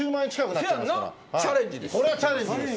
チャレンジです。